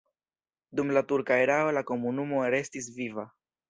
Dum la turka erao la komunumo restis viva.